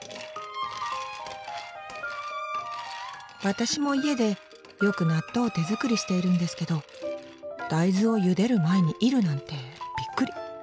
私も家でよく納豆を手作りしているんですけど大豆をゆでる前に煎るなんてビックリ。